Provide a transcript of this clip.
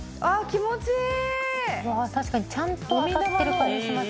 気持ちいい！